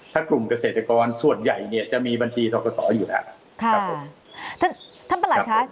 ถ้ากลุ่มเกษตรกรส่วนใหญ่เนี่ยจะมีบัญชีทกศอยู่แล้วครับผมท่านท่านประหลัดค่ะ